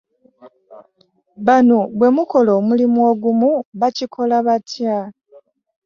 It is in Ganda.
Banno bwe mukola omulimu ogumu bakikola batya?